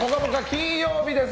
金曜日です。